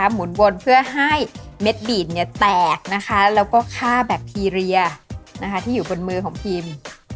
หมุนวนเพื่อให้เม็ดบีบเนี่ยแตกและก็ค่าแบคทีเรียที่อยู่บนมือของพิมพ์